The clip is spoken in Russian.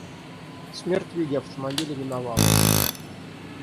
Смерть в виде автомобиля миновала его.